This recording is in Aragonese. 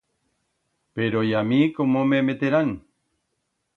Pero y a mi cómo me meterán?